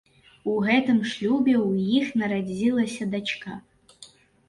У гэтым шлюбе ў іх нарадзілася дачка.